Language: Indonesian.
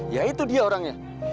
ya itu dia orangnya